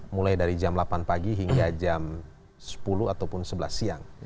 mulai dari jam delapan pagi hingga jam sepuluh ataupun sebelas siang